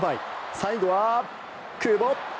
最後は久保！